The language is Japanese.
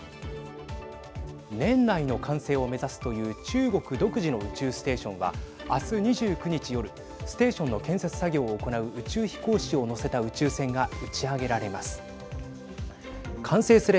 年内の完成を目指すという中国独自の宇宙ステーションは明日２９日夜ステーションの建設作業を行う宇宙飛行士を乗せた宇宙船が打ち上げられます。